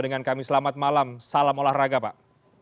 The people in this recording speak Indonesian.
dengan kami selamat malam salam olahraga pak